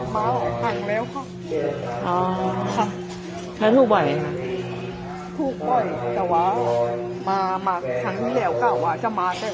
มาออกทางแล้วเพราะถึงวันถูกค่อยจะวาวมามาจากที่เดี๋ยวกล้าว่าจะมา